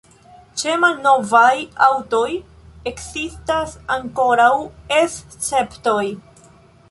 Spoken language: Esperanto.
Ĉe malnovaj aŭtoj ekzistas ankoraŭ esceptoj.